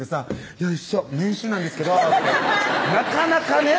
「よいしょ年収なんですけど」ってなかなかね